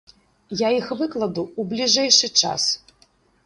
Я іх выкладу ў бліжэйшы час.